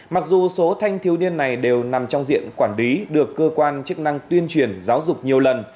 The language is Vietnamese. mặc dù số thanh thiếu niên này đều nằm trong diện quản lý được cơ quan chức năng tuyên truyền giáo dục nhiều lần